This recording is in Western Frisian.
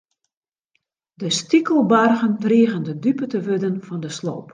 De stikelbargen drigen de dupe te wurden fan de sloop.